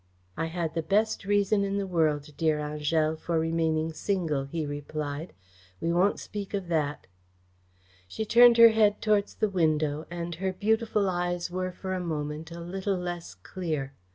"I had the best reason in the world, dear Angèle, for remaining single," he replied. "We won't speak of that." She turned her head towards the window and her beautiful eyes were for a moment a little less clear.